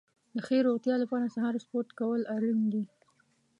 د ښې روغتیا لپاره سهار سپورت کول اړین دي.